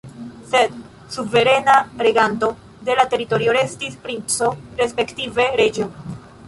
Sed suverena reganto de la teritorio restis princo, respektive reĝo.